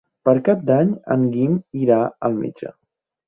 Per Cap d'Any en Guim irà al metge.